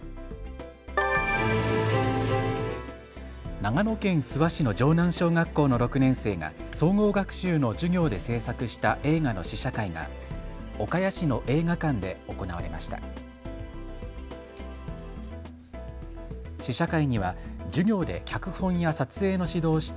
長野県諏訪市の城南小学校の６年生が総合学習の授業で製作した映画の試写会が岡谷市の映画館で行われました。